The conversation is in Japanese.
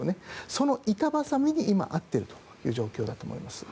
その板挟みに今、遭っている状況だと思います。